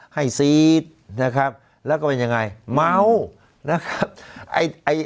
ซีดนะครับแล้วก็เป็นยังไงเมานะครับไอ้